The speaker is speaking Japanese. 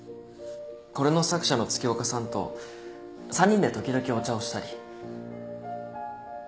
これの作者の月岡さんと３人で時々お茶をしたり。